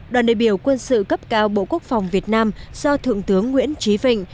đoàn đại biểu quân sự cấp cao bộ quốc phòng việt nam do thượng tướng nguyễn trí vịnh